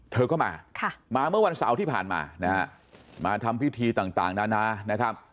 เธอก็มามาเมื่อวันเสาร์ที่ผ่านมานะฮะมาทำพิธีต่างนานานะครับ